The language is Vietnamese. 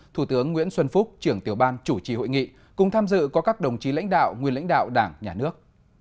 thủ tướng nguyễn xuân phúc trưởng tiểu ban chủ trì hội nghị cùng tham dự có các đồng chí lãnh đạo nguyên lãnh đạo đảng nhà nước